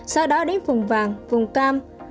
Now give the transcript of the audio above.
sau đó đến vùng vàng vùng cam